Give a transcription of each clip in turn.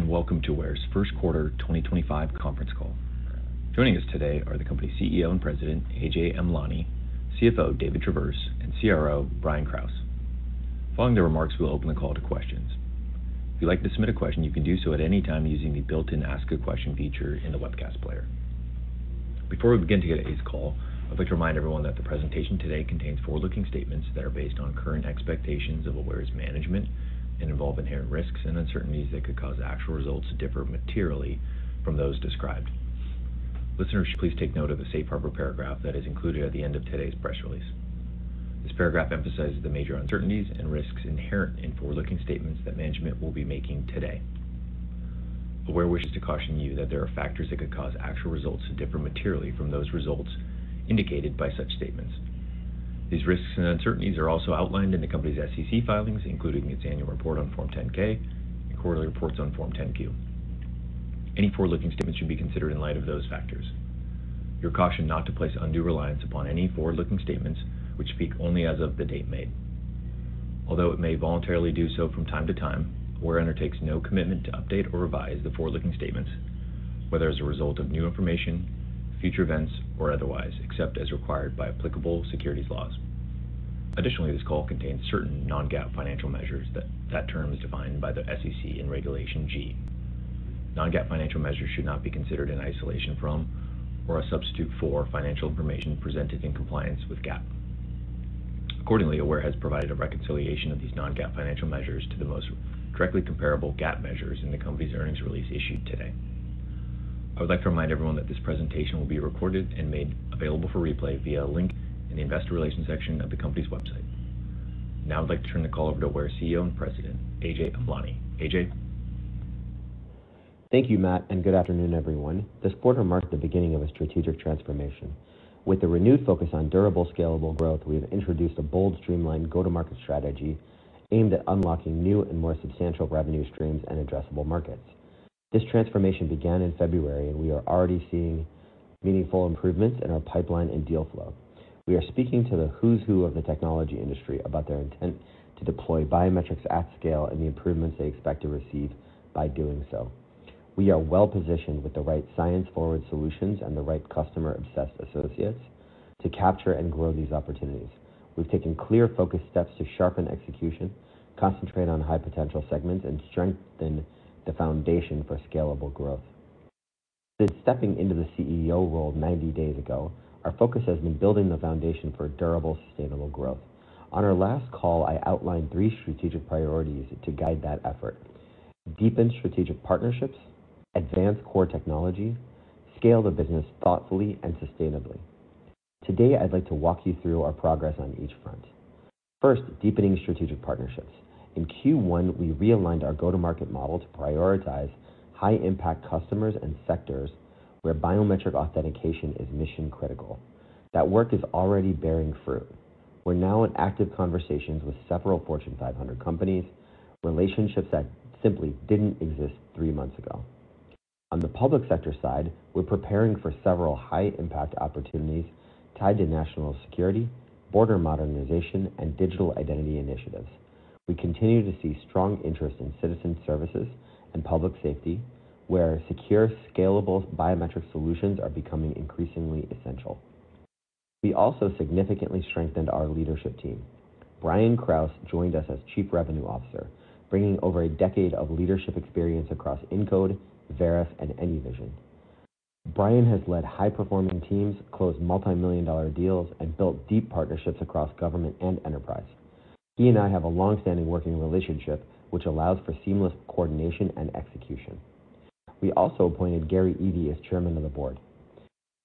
Welcome to Aware's First Quarter 2025 Conference Call. Joining us today are the company CEO and President, Ajay Amlani, CFO, David Traverse, and CRO, Brian Krause. Following their remarks, we'll open the call to questions. If you'd like to submit a question, you can do so at any time using the built-in Ask a Question feature in the webcast player. Before we begin today's call, I'd like to remind everyone that the presentation today contains forward-looking statements that are based on current expectations of Aware's management and involve inherent risks and uncertainties that could cause actual results to differ materially from those described. Listeners, please take note of the safe harbor paragraph that is included at the end of today's press release. This paragraph emphasizes the major uncertainties and risks inherent in forward-looking statements that management will be making today. Aware wishes to caution you that there are factors that could cause actual results to differ materially from those results indicated by such statements. These risks and uncertainties are also outlined in the company's SEC filings, including its annual report on Form 10-K and quarterly reports on Form 10-Q. Any forward-looking statements should be considered in light of those factors. You're cautioned not to place undue reliance upon any forward-looking statements which speak only as of the date made. Although it may voluntarily do so from time to time, Aware undertakes no commitment to update or revise the forward-looking statements, whether as a result of new information, future events, or otherwise, except as required by applicable securities laws. Additionally, this call contains certain non-GAAP financial measures that that term is defined by the SEC in Regulation G. Non-GAAP financial measures should not be considered in isolation from or a substitute for financial information presented in compliance with GAAP. Accordingly, Aware has provided a reconciliation of these non-GAAP financial measures to the most directly comparable GAAP measures in the company's earnings release issued today. I would like to remind everyone that this presentation will be recorded and made available for replay via a link in the investor relations section of the company's website. Now, I'd like to turn the call over to Aware's CEO and President, Ajay Amlani. Ajay? Thank you, Matt, and good afternoon, everyone. This board remarked the beginning of a strategic transformation. With the renewed focus on durable, scalable growth, we have introduced a bold, streamlined go-to-market strategy aimed at unlocking new and more substantial revenue streams and addressable markets. This transformation began in February, and we are already seeing meaningful improvements in our pipeline and deal flow. We are speaking to the who's who of the technology industry about their intent to deploy biometrics at scale and the improvements they expect to receive by doing so. We are well positioned with the right science-forward solutions and the right customer-obsessed associates to capture and grow these opportunities. We've taken clear focus steps to sharpen execution, concentrate on high-potential segments, and strengthen the foundation for scalable growth. Since stepping into the CEO role 90 days ago, our focus has been building the foundation for durable, sustainable growth. On our last call, I outlined three strategic priorities to guide that effort: deepen strategic partnerships, advance core technology, and scale the business thoughtfully and sustainably. Today, I'd like to walk you through our progress on each front. First, deepening strategic partnerships. In Q1, we realigned our go-to-market model to prioritize high-impact customers and sectors where biometric authentication is mission-critical. That work is already bearing fruit. We're now in active conversations with several Fortune 500 companies, relationships that simply didn't exist three months ago. On the public sector side, we're preparing for several high-impact opportunities tied to national security, border modernization, and digital identity initiatives. We continue to see strong interest in citizen services and public safety, where secure, scalable biometric solutions are becoming increasingly essential. We also significantly strengthened our leadership team. Brian Krause, joined us as Chief Revenue Officer, bringing over a decade of leadership experience across Incode, Veriff, and AnyVision. Brian has led high-performing teams, closed multi-million dollar deals, and built deep partnerships across government and enterprise. He and I have a longstanding working relationship, which allows for seamless coordination and execution. We also appointed Gary Evey as Chairman of the Board.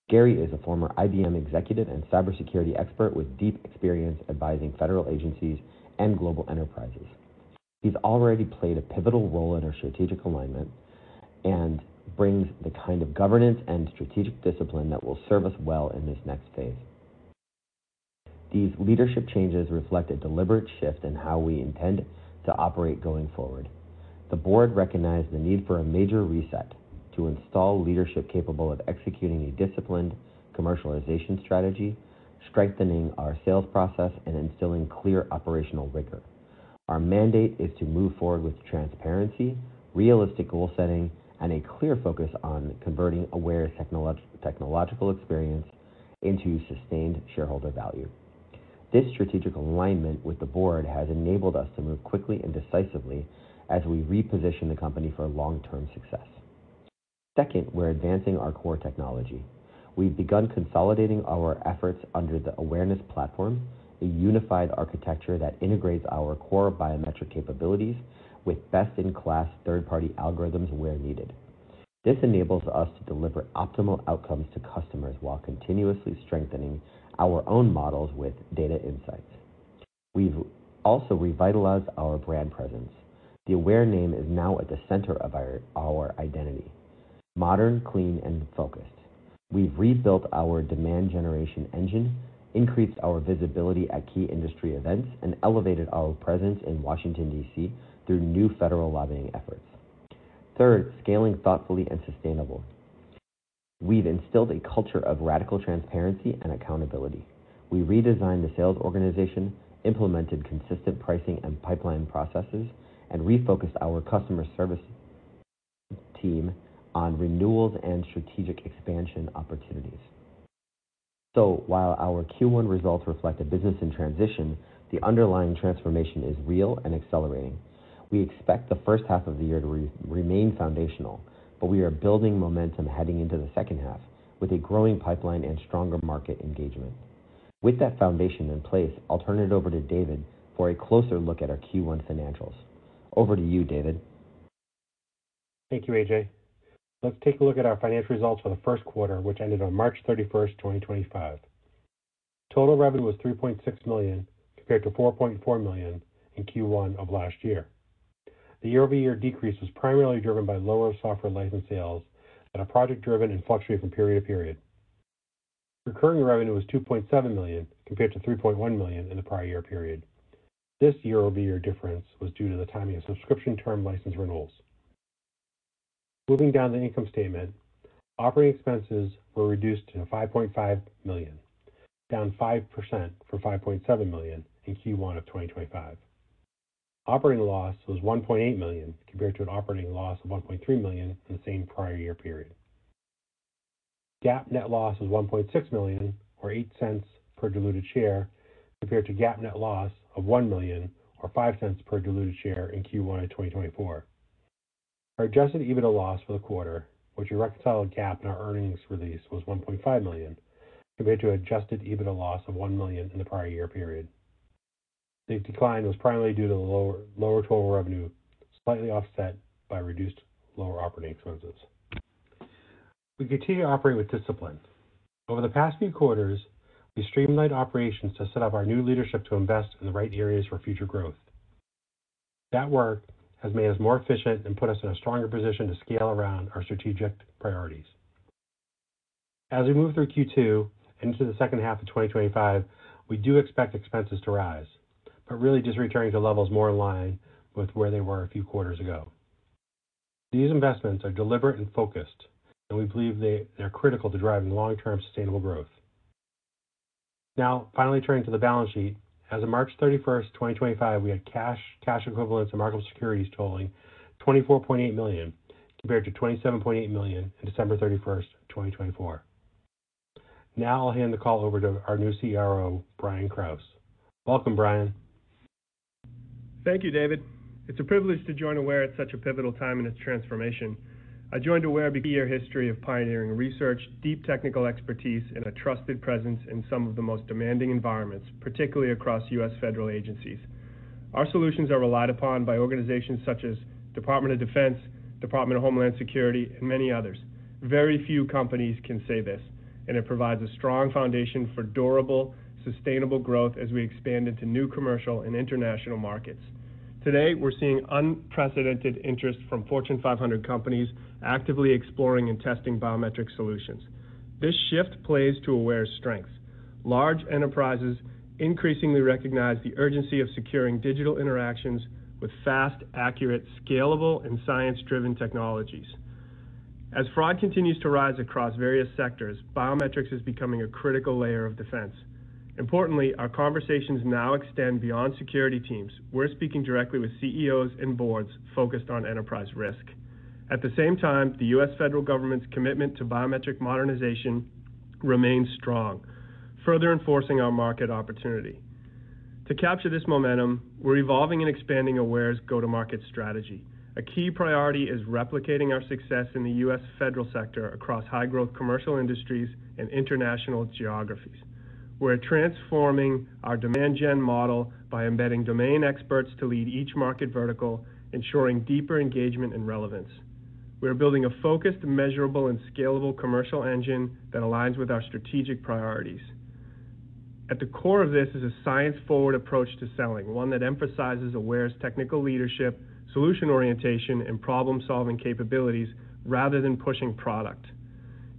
Gary is a former IBM executive and cybersecurity expert with deep experience advising federal agencies and global enterprises. He's already played a pivotal role in our strategic alignment and brings the kind of governance and strategic discipline that will serve us well in this next phase. These leadership changes reflect a deliberate shift in how we intend to operate going forward. The board recognized the need for a major reset to install leadership capable of executing a disciplined commercialization strategy, strengthening our sales process, and instilling clear operational rigor. Our mandate is to move forward with transparency, realistic goal setting, and a clear focus on converting Aware's technological experience into sustained shareholder value. This strategic alignment with the board has enabled us to move quickly and decisively as we reposition the company for long-term success. Second, we're advancing our core technology. We've begun consolidating our efforts under the Awareness platform, a unified architecture that integrates our core biometric capabilities with best-in-class third-party algorithms where needed. This enables us to deliver optimal outcomes to customers while continuously strengthening our own models with data insights. We've also revitalized our brand presence. The Aware name is now at the center of our identity: modern, clean, and focused. have rebuilt our demand generation engine, increased our visibility at key industry events, and elevated our presence in Washington, D.C. through new federal lobbying efforts. Third, scaling thoughtfully and sustainably. We have instilled a culture of radical transparency and accountability. We redesigned the sales organization, implemented consistent pricing and pipeline processes, and refocused our customer service team on renewals and strategic expansion opportunities. While our Q1 results reflect a business in transition, the underlying transformation is real and accelerating. We expect the first half of the year to remain foundational, but we are building momentum heading into the second half with a growing pipeline and stronger market engagement. With that foundation in place, I'll turn it over to David for a closer look at our Q1 financials. Over to you, David. Thank you, Ajay. Let's take a look at our financial results for the first quarter, which ended on March 31, 2025. Total revenue was $3.6 million, compared to $4.4 million in Q1 of last year. The year-over-year decrease was primarily driven by lower software license sales that are project-driven and fluctuate from period to period. Recurring revenue was $2.7 million, compared to $3.1 million, in the prior year period. This year-over-year difference was due to the timing of subscription term license renewals. Moving down the income statement, operating expenses, were reduced to $5.5 million, down 5%, from $5.7 million in Q1 of 2025. Operating loss, was $1.8 million, compared to an operating loss of $1.3 million, in the same prior year period. GAAP net loss, was $1.6 million, or $0.08 per diluted share, compared to GAAP net loss of $1 million, or $0.05 per diluted share in Q1 of 2024. Our Adjusted EBITDA loss, for the quarter, which we reconciled to GAAP in our earnings release, was $1.5 million, compared to an Adjusted EBITDA loss of $1 million, in the prior year period. The decline was primarily due to the lower total revenue, slightly offset by reduced operating expenses. We continue to operate with discipline. Over the past few quarters, we streamlined operations to set up our new leadership to invest in the right areas for future growth. That work has made us more efficient and put us in a stronger position to scale around our strategic priorities. As we move through Q2 and into the second half of 2025, we do expect expenses to rise, but really just returning to levels more in line with where they were a few quarters ago. These investments are deliberate and focused, and we believe they are critical to driving long-term sustainable growth. Now, finally, turning to the balance sheet, as of March 31, 2025, we had cash, cash equivalents, and marketable securities totaling $24.8 million, compared to $27.8 million on December 31, 2024. Now, I'll hand the call over to our new CRO, Brian Krause. Welcome, Brian. Thank you, David. It's a privilege to join Aware at such a pivotal time in its transformation. I joined Aware because of a two-year history of pioneering research, deep technical expertise, and a trusted presence in some of the most demanding environments, particularly across U.S. federal agencies. Our solutions are relied upon by organizations such as the Department of Defense, the Department of Homeland Security, and many others. Very few companies can say this, and it provides a strong foundation for durable, sustainable growth as we expand into new commercial and international markets. Today, we're seeing unprecedented interest from Fortune 500 companies actively exploring and testing biometric solutions. This shift plays to Aware's strengths. Large enterprises increasingly recognize the urgency of securing digital interactions with fast, accurate, scalable, and science-driven technologies. As fraud continues to rise across various sectors, biometrics is becoming a critical layer of defense. Importantly, our conversations now extend beyond security teams. We're speaking directly with CEOs and boards focused on enterprise risk. At the same time, the U.S. federal government's commitment to biometric modernization remains strong, further enforcing our market opportunity. To capture this momentum, we're evolving and expanding Aware's go-to-market strategy. A key priority is replicating our success in the U.S. federal sector across high-growth commercial industries and international geographies. We're transforming our demand gen model by embedding domain experts to lead each market vertical, ensuring deeper engagement and relevance. We're building a focused, measurable, and scalable commercial engine that aligns with our strategic priorities. At the core of this is a science-forward approach to selling, one that emphasizes Aware's technical leadership, solution orientation, and problem-solving capabilities rather than pushing product.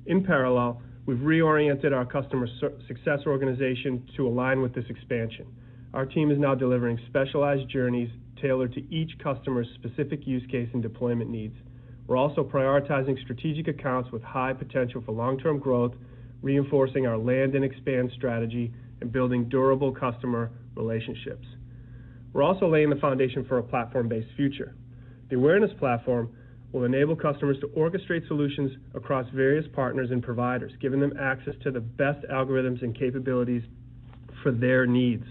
In parallel, we've reoriented our customer success organization to align with this expansion. Our team is now delivering specialized journeys tailored to each customer's specific use case and deployment needs. We're also prioritizing strategic accounts with high potential for long-term growth, reinforcing our land and expand strategy, and building durable customer relationships. We're also laying the foundation for a platform-based future. The Awareness platform will enable customers to orchestrate solutions across various partners and providers, giving them access to the best algorithms and capabilities for their needs.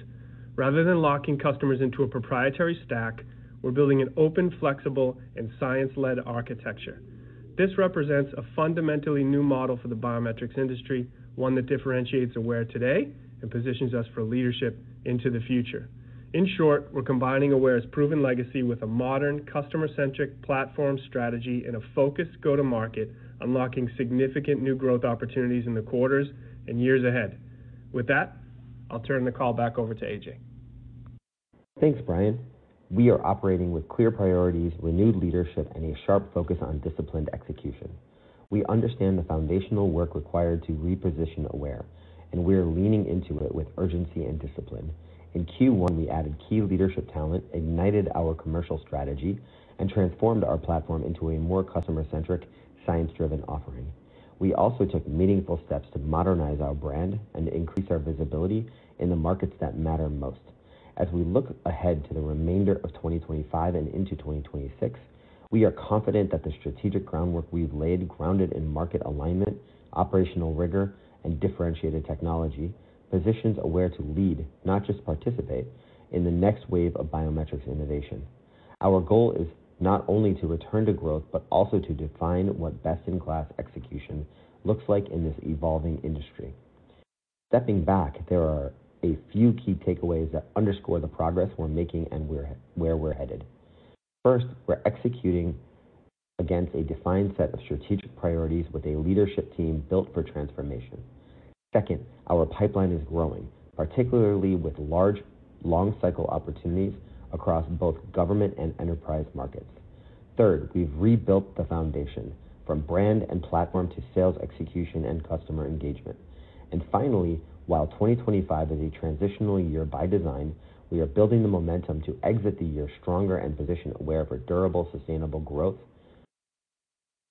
Rather than locking customers into a proprietary stack, we're building an open, flexible, and science-led architecture. This represents a fundamentally new model for the biometrics industry, one that differentiates Aware today and positions us for leadership into the future. In short, we're combining Aware's proven legacy with a modern, customer-centric platform strategy and a focused go-to-market, unlocking significant new growth opportunities in the quarters and years ahead. With that, I'll turn the call back over to Ajay. Thanks, Brian. We are operating with clear priorities, renewed leadership, and a sharp focus on disciplined execution. We understand the foundational work required to reposition Aware, and we're leaning into it with urgency and discipline. In Q1, we added key leadership talent, ignited our commercial strategy, and transformed our platform into a more customer-centric, science-driven offering. We also took meaningful steps to modernize our brand and increase our visibility in the markets that matter most. As we look ahead to the remainder of 2025 and into 2026, we are confident that the strategic groundwork we've laid, grounded in market alignment, operational rigor, and differentiated technology, positions Aware to lead, not just participate, in the next wave of biometrics innovation. Our goal is not only to return to growth, but also to define what best-in-class execution looks like in this evolving industry. Stepping back, there are a few key takeaways that underscore the progress we're making and where we're headed. First, we're executing against a defined set of strategic priorities with a leadership team built for transformation. Second, our pipeline is growing, particularly with large, long-cycle opportunities across both government and enterprise markets. Third, we've rebuilt the foundation from brand and platform to sales execution and customer engagement. Finally, while 2025 is a transitional year by design, we are building the momentum to exit the year stronger and position Aware for durable, sustainable growth.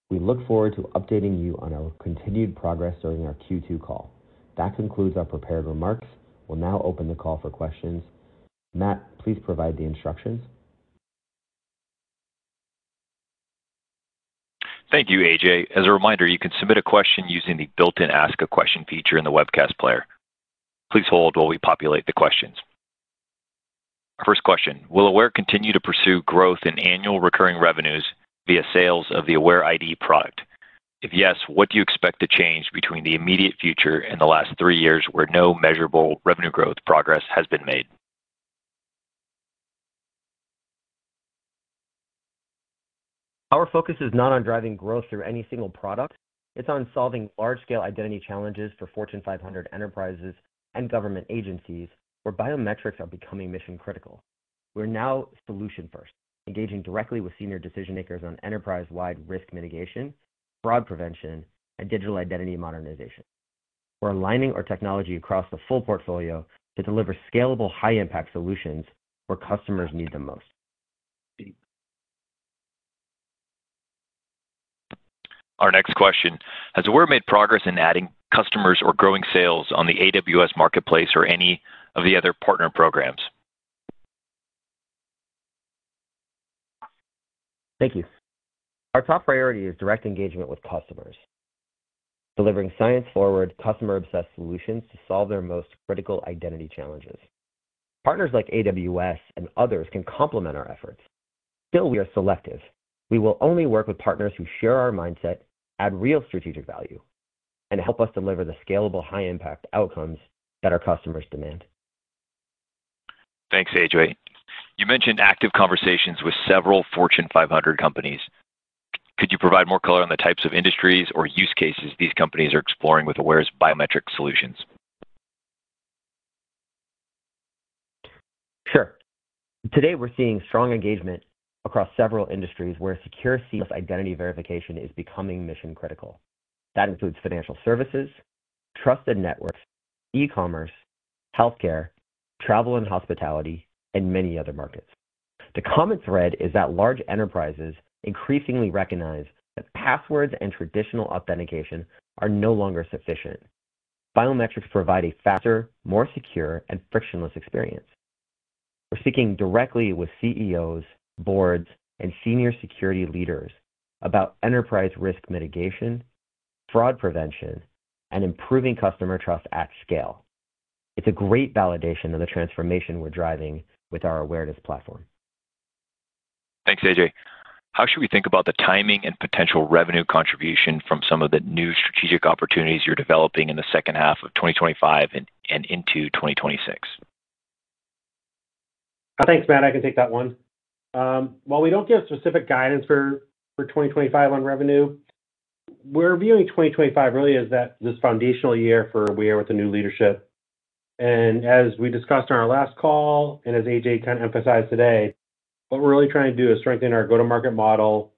We look forward to updating you on our continued progress during our Q2 call. That concludes our prepared remarks. We'll now open the call for questions. Matt, please provide the instructions. Thank you, AJ. As a reminder, you can submit a question using the built-in Ask a Question feature in the webcast player. Please hold while we populate the questions. Our first question: Will Aware continue to pursue growth in annual recurring revenues via sales of the Aware ID product? If yes, what do you expect to change between the immediate future and the last three years where no measurable revenue growth progress has been made? Our focus is not on driving growth through any single product. It's on solving large-scale identity challenges for Fortune 500 enterprises and government agencies where biometrics are becoming mission-critical. We're now solution-first, engaging directly with senior decision-makers on enterprise-wide risk mitigation, fraud prevention, and digital identity modernization. We're aligning our technology across the full portfolio to deliver scalable, high-impact solutions where customers need them most. Our next question: Has Aware made progress in adding customers or growing sales on the AWS Marketplace or any of the other partner programs? Thank you. Our top priority is direct engagement with customers, delivering science-forward, customer-obsessed solutions to solve their most critical identity challenges. Partners like AWS and others can complement our efforts. Still, we are selective. We will only work with partners who share our mindset, add real strategic value, and help us deliver the scalable, high-impact outcomes that our customers demand. Thanks, AJ. You mentioned active conversations with several Fortune 500 companies. Could you provide more color on the types of industries or use cases these companies are exploring with Aware's biometric solutions? Sure. Today, we're seeing strong engagement across several industries where secure CS identity verification is becoming mission-critical. That includes financial services, trusted networks, e-commerce, healthcare, travel and hospitality, and many other markets. The common thread is that large enterprises increasingly recognize that passwords and traditional authentication are no longer sufficient. Biometrics provide a faster, more secure, and frictionless experience. We're speaking directly with CEOs, boards, and senior security leaders about enterprise risk mitigation, fraud prevention, and improving customer trust at scale. It's a great validation of the transformation we're driving with our Awareness platform. Thanks, AJ. How should we think about the timing and potential revenue contribution from some of the new strategic opportunities you're developing in the second half of 2025 and into 2026? Thanks, Matt. I can take that one. While we do not give specific guidance for 2025 on revenue, we are viewing 2025 really as this foundational year for Aware with the new leadership. As we discussed on our last call, and as AJ kind of emphasized today, what we are really trying to do is strengthen our go-to-market model,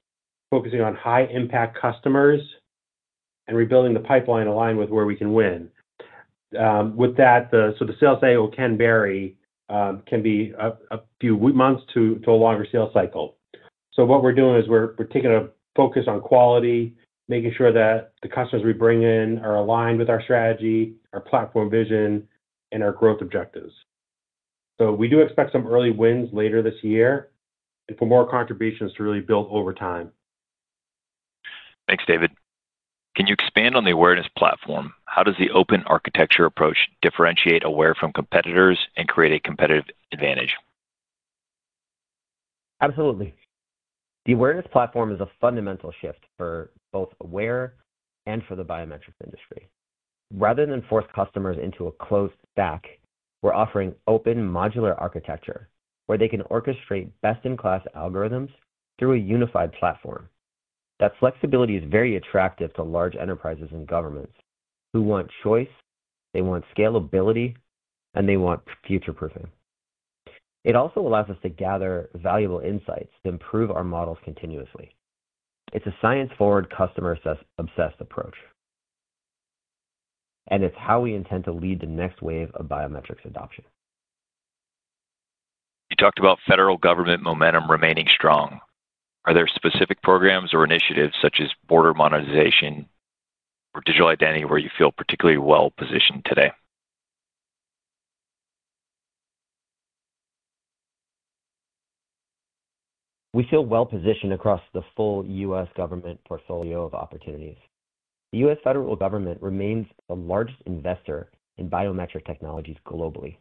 focusing on high-impact customers and rebuilding the pipeline aligned with where we can win. With that, the sales cycle can vary. It can be a few months to a longer sales cycle. What we are doing is we are taking a focus on quality, making sure that the customers we bring in are aligned with our strategy, our platform vision, and our growth objectives. We do expect some early wins later this year and for more contributions to really build over time. Thanks, David. Can you expand on the Awareness platform? How does the open architecture approach differentiate Aware from competitors and create a competitive advantage? Absolutely. The Awareness platform is a fundamental shift for both Aware and for the biometrics industry. Rather than force customers into a closed stack, we're offering open modular architecture where they can orchestrate best-in-class algorithms through a unified platform. That flexibility is very attractive to large enterprises and governments who want choice, they want scalability, and they want future-proofing. It also allows us to gather valuable insights to improve our models continuously. It's a science-forward, customer-obsessed approach, and it's how we intend to lead the next wave of biometrics adoption. You talked about federal government momentum remaining strong. Are there specific programs or initiatives such as border modernization or digital identity where you feel particularly well-positioned today? We feel well-positioned across the full U.S. government portfolio of opportunities. The U.S. federal government remains the largest investor in biometric technologies globally.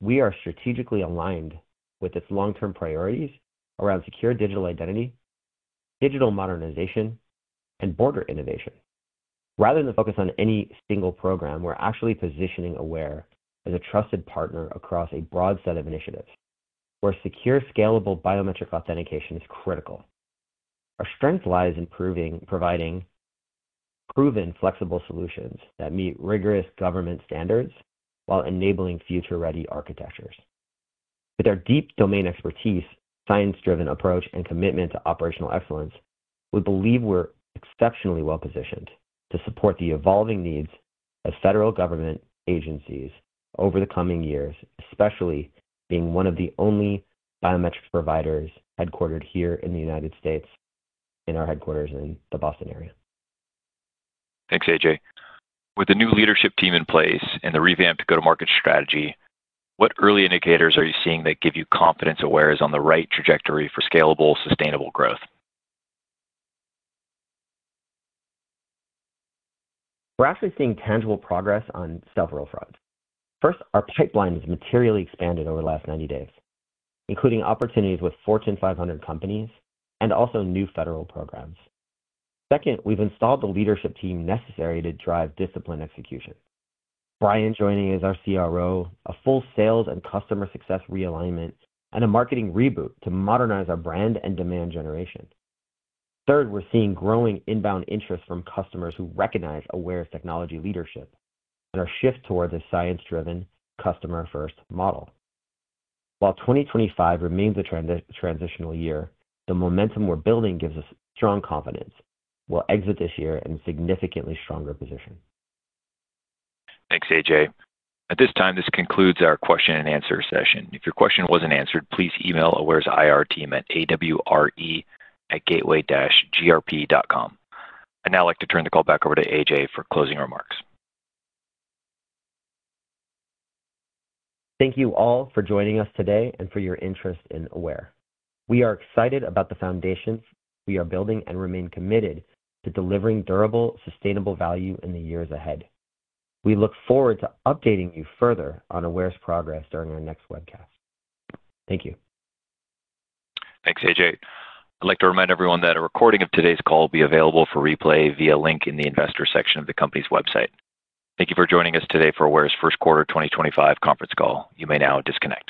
We are strategically aligned with its long-term priorities around secure digital identity, digital modernization, and border innovation. Rather than focus on any single program, we're actually positioning Aware as a trusted partner across a broad set of initiatives where secure, scalable biometric authentication is critical. Our strength lies in providing proven flexible solutions that meet rigorous government standards while enabling future-ready architectures. With our deep domain expertise, science-driven approach, and commitment to operational excellence, we believe we're exceptionally well-positioned to support the evolving needs of federal government agencies over the coming years, especially being one of the only biometrics providers headquartered here in the United States in our headquarters in the Boston area. Thanks, AJ. With the new leadership team in place and the revamped go-to-market strategy, what early indicators are you seeing that give you confidence Aware is on the right trajectory for scalable, sustainable growth? We're actually seeing tangible progress on several fronts. First, our pipeline has materially expanded over the last 90 days, including opportunities with Fortune 500 companies and also new federal programs. Second, we've installed the leadership team necessary to drive discipline execution. Brian joining as our CRO, a full sales and customer success realignment, and a marketing reboot to modernize our brand and demand generation. Third, we're seeing growing inbound interest from customers who recognize Aware's technology leadership and our shift towards a science-driven, customer-first model. While 2025 remains a transitional year, the momentum we're building gives us strong confidence. We'll exit this year in a significantly stronger position. Thanks, AJ. At this time, this concludes our question-and-answer session. If your question was not answered, please email Aware's IR team at awre@gateway-grp.com. I'd now like to turn the call back over to AJ for closing remarks. Thank you all for joining us today and for your interest in Aware. We are excited about the foundations we are building and remain committed to delivering durable, sustainable value in the years ahead. We look forward to updating you further on Aware's progress during our next webcast. Thank you. Thanks, AJ. I'd like to remind everyone that a recording of today's call will be available for replay via link in the investor section of the company's website. Thank you for joining us today for Aware's first quarter 2025 conference call. You may now disconnect.